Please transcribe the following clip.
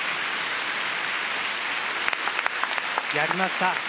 やりました。